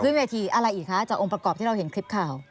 เวทีอะไรอีกคะจากองค์ประกอบที่เราเห็นคลิปข่าว